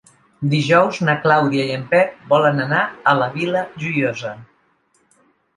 Dijous na Clàudia i en Pep volen anar a la Vila Joiosa.